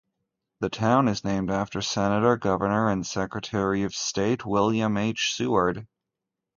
The town is named after senator, governor, and secretary of state William H. Seward.